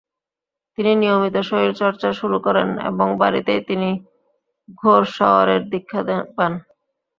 তিনি নিয়মিত শরীরচর্চা শুরু করেন এবং বাড়িতেই তিনি ঘোড়সওয়ারের দীক্ষা পান।